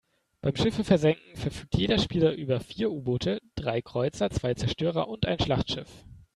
Beim Schiffe versenken verfügt jeder Spieler über vier U-Boote, drei Kreuzer, zwei Zerstörer und ein Schlachtschiff.